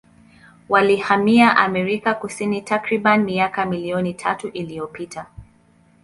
Walihamia Amerika Kusini takribani miaka milioni tatu iliyopita.